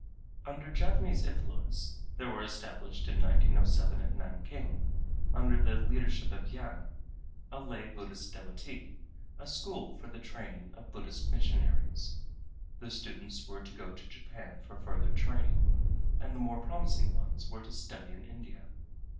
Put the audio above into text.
Under Japanese influence there was established in 1907 at Nanking, under the leadership of Yang, a lay Buddhist devotee, a school for the training of Buddhist missionaries. The students were to go to Japan for further training, and the more promising ones were to study in India.